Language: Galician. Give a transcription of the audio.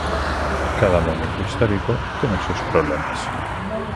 Cada momento histórico ten os seus problemas.